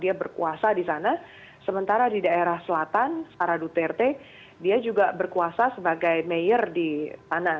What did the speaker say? dia berkuasa di sana sementara di daerah selatan sara duterte dia juga berkuasa sebagai mayor di sana